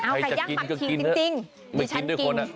ไก่ย่างมักฉี่จริง